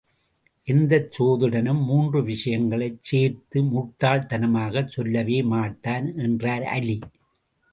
எந்தச் சோதிடனும் மூன்று விஷயங்களைச் சேர்த்து முட்டாள் தனமாகச் சொல்லவே மாட்டான் என்றார் அலி.